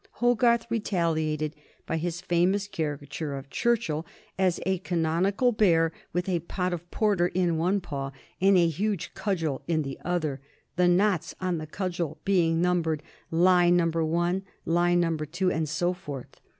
Hogarth retaliated by his famous caricature of Churchill as a canonical bear with a pot of porter in one paw and a huge cudgel in the other, the knots on the cudgel being numbered as Lie 1, Lie 2, and so forth.